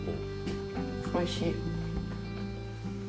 おいしい。